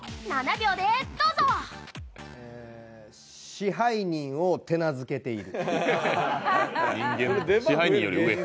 支配人を手なずけている。